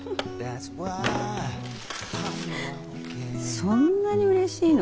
そんなにうれしいの？